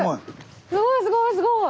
すごいすごいすごい！